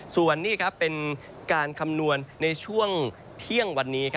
ส่วนนี้เป็นการคำนวณในช่วงเที่ยงวันนี้